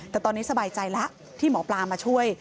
แต่ตอนนี้สบายใจแล้วที่หมอปลามาช่วย